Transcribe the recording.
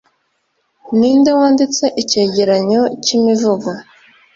Ninde Wanditse Icyegeranyo cy'Imivugo